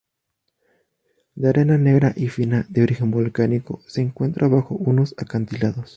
De arena negra y fina de origen volcánico, se encuentra bajo unos acantilados.